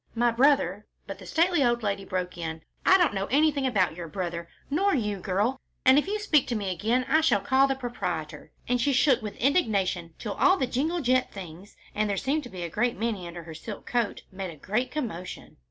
"My brother " But the stately old lady broke in, "I don't know anything about your brother, nor you, girl, and if you speak to me again, I shall call the proprietor," and she shook with indignation till all the jingling jet things, and there seemed to be a great many under her silk coat, made a great commotion.